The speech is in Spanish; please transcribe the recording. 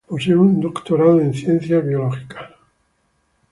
Posee un Doctorado en Ciencias Biológicas.